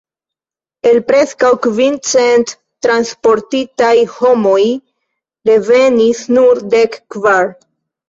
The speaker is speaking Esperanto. El preskaŭ kvin cent transportitaj homoj revenis nur dek kvar.